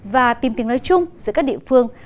và tìm tiếng nói chung giữa các địa phương